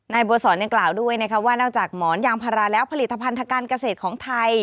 บัวสอนยังกล่าวด้วยนะคะว่านอกจากหมอนยางพาราแล้วผลิตภัณฑการเกษตรของไทย